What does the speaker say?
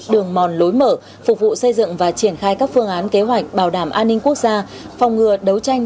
đường mòn lối mở phục vụ xây dựng và triển khai các phương án kế hoạch bảo đảm an ninh quốc gia phòng ngừa đấu tranh